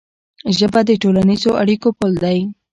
ژبه د ټولنیزو اړیکو پل دی.